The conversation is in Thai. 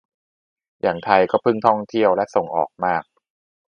อย่างไทยก็พึ่งท่องเที่ยวและส่งออกมาก